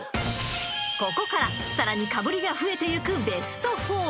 ［ここからさらにかぶりが増えていく］